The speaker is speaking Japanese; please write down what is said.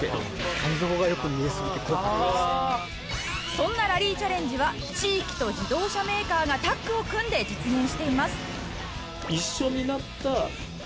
そんなラリーチャレンジは地域と自動車メーカーがタッグを組んで実現しています